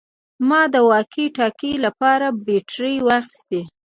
ما د واکي ټاکي لپاره بیټرۍ واخیستې